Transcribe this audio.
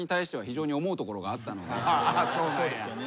そうですよね。